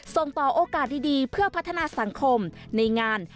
ส่งต่อโอกาสดีเพื่อพัฒนาสังคมในงาน